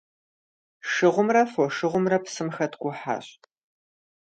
Шыгъумрэ фошыгъумрэ псым хэткӀухьащ.